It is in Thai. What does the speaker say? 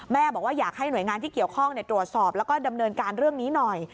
บอกว่าอยากให้หน่วยงานที่เกี่ยวข้องตรวจสอบแล้วก็ดำเนินการเรื่องนี้หน่อย